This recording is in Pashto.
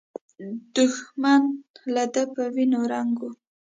دښمن له ده په وینو رنګ و.